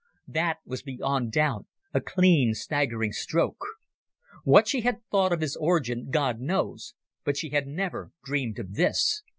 That was beyond doubt a clean staggering stroke. What she had thought of his origin God knows, but she had never dreamed of this.